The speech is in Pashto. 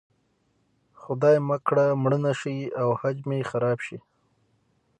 خدای مه کړه مړه نه شي او حج مې خراب شي.